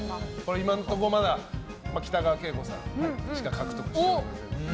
今のところまだ北川景子さんしか獲得していない。